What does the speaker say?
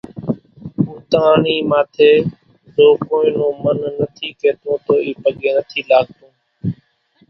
ھوتاۿڻي ماٿي زو ڪونئين نون من نٿي ڪيتون تو اِي پڳين نٿي لاڳتون